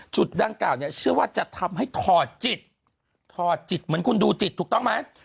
ดังกล่าวเนี่ยเชื่อว่าจะทำให้ถอดจิตถอดจิตเหมือนคุณดูจิตถูกต้องไหม